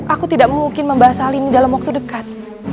aku tidak mungkin membahas hal ini dalam waktu dekat